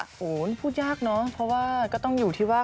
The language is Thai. ไม่ได้ยากเนาะเพราะว่าก็ต้องอยู่ที่ว่า